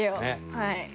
はい。